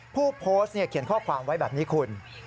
ผู้โพสต์เขียนข้อความไว้แบบนี้คุณ